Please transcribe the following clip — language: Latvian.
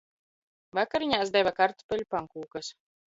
Vakariņās deva kartupeļu pankūkas.